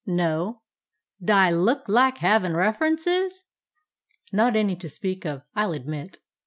"No. D' I look like havin' ref erences?" "Not any to speak of, I 'll admit."